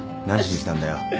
何しに来たんだよ。